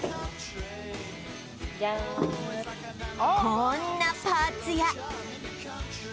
こんなパーツや